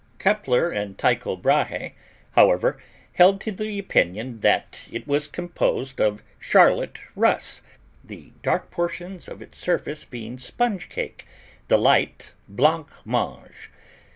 Kepler and Tyco Brahe, however, held to the opinion that it was composed of Charlotte Russe, the dark portions of its surface being sponge cake, the light blanc mange.